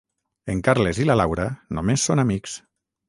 En Carles i la Laura només són amics.